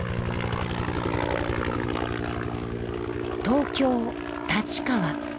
東京・立川。